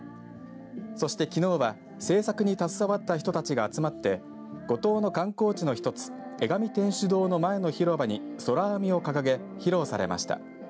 そして、きのうは制作に携わった人たちが集まって五島の観光地の一つ江上天主堂の前の広場にそらあみを掲げ披露されました。